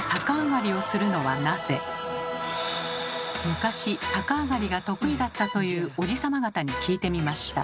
昔逆上がりが得意だったというおじさま方に聞いてみました。